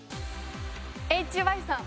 ＨＹさん。